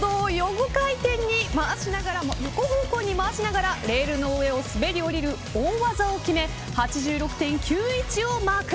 冒頭横方向に回しながらレールの上を滑り降りる大技を決め８６．９１をマーク。